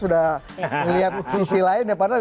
sudah melihat sisi lain ya padahal